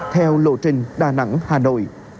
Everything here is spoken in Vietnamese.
theo lộ trình đà nẵng hà nội